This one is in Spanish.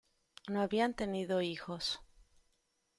No habían tenido hijos.